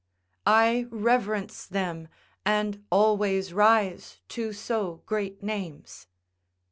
["I reverence them, and always rise to so great names."